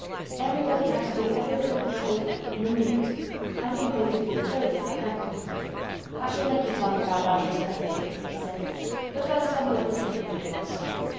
Everybody had to do everything he told them—in a minute. I think they would have been killed if they hadn't." "I shall make you tell me about Rajahs presently," he said, "but first tell me what the second thing was."